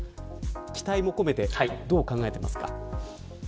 期待も込めてどう考えていますか。